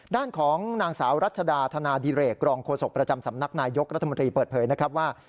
ด้านของนางสาวรัชดาธนาดิเรกรองโฆษกประจำสำนักนายยกรัฐมนตรีเปิดเผยนะครับว่า